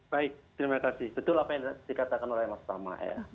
baik terima kasih betul apa yang dikatakan oleh mas tama ya